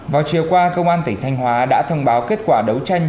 vào chiều qua công an tỉnh thanh hóa đã thông báo kết quả đấu tranh